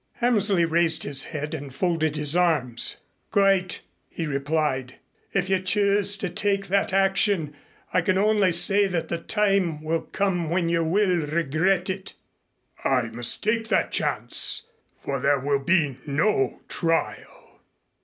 Hammersley raised his head and folded his arms. "Quite," he replied, "if you choose to take that action. I can only say that the time will come when you will regret it." "I must take that chance, for there will be no trial."